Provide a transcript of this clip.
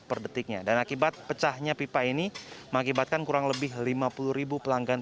per detiknya dan akibat pecahnya pipa ini mengakibatkan kurang lebih lima puluh pelanggan